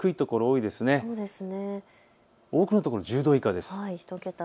多くの所、１０度以下です。